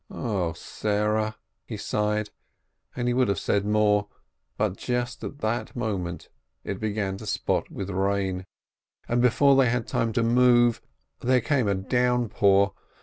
"0 Sarah !" he sighed, and he would have said more, but just at that moment it began to spot with rain, and before they had time to move there came a downpour.